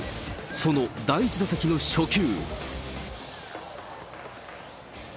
その第１打席の初球。